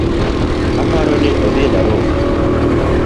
Aparoni odhi narobi